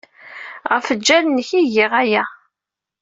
Ɣef lǧal-nnek ay giɣ aya.